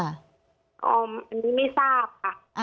อันนี้ไม่ทราบค่ะ